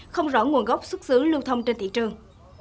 không rõ nguồn gốc xuất xứ lưu thông trên thị trường